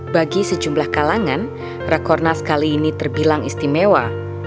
bagi sejumlah kalangan rakornas kali ini terbilang istimewa